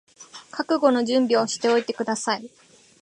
覚悟の準備をしておいてください